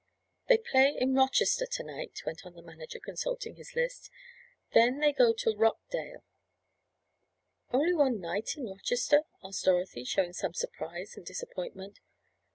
"They play in Rochester to night," went on the manager consulting his list. "Then they go to Rockdale—" "Only one night in Rochester?" asked Dorothy, showing some surprise and disappointment.